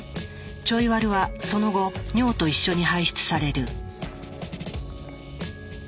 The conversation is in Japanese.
ちょいワルはその後尿と一緒に排出される。